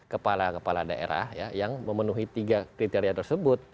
kepala kepala daerah yang memenuhi tiga kriteria tersebut